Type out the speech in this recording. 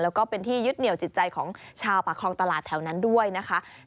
แล้วก็เป็นที่ยึดเหนียวจิตใจของชาวปากคลองตลาดแถวนั้นด้วยนะคะ